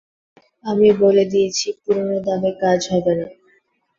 আমি বলে দিয়েছি পুরানো দামে কাজ হবে না।